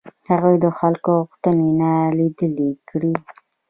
هغوی د خلکو غوښتنې نالیدلې کړې.